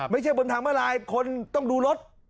ไม่ใช่บนทางมะลายคนต้องดูรถ